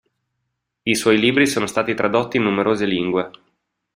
I suoi libri sono stati tradotti in numerose lingue.